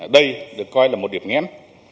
đây được coi là một điểm nghen